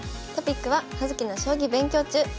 トピックは「葉月の将棋勉強中！